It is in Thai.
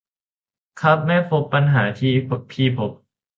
ครับ ไม่พบปัญหาที่พี่พบ